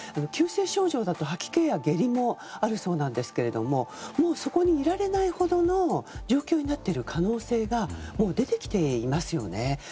急性症状だと吐き気や下痢もあるそうですがそこにいられないほどの状況になっている可能性が出てきていますよね。